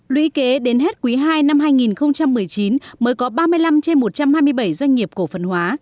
lũy kế đến hết quý ii năm hai nghìn một mươi chín mới có ba mươi năm trên một trăm hai mươi bảy doanh nghiệp cổ phần hóa